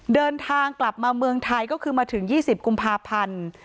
เดินทางกลับมาเมืองไทยก็คือมาถึง๒๐กุมภาพันธ์